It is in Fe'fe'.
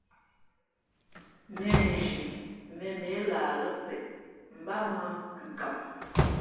Mēnzhi mēmmᾱ e lah lά peʼ, mbát mᾱ kʉkam.